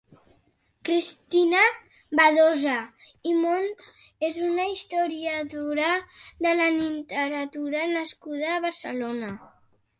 Cristina Badosa i Mont és una historiadora de la literatura nascuda a Barcelona.